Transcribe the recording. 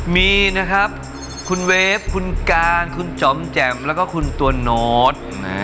มีนะครับคุณเวฟคุณการคุณจอมแจ่มแล้วก็คุณตัวโน้ต